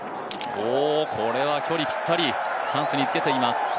距離ぴったりチャンスにつけています。